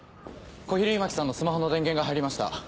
小比類巻さんのスマホの電源が入りました。